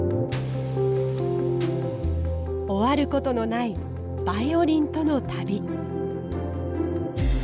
終わることのないバイオリンとの旅。